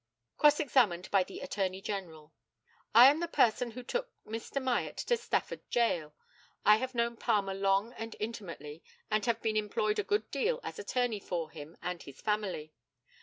Cross examined by the ATTORNEY GENERAL: I am the person who took Mr. Myatt to Stafford Gaol. I have known Palmer long and intimately, and have been employed a good deal as attorney for him and his family.